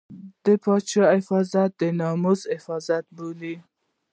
د پاچاهۍ حفاظت یې د ناموس حفاظت باله.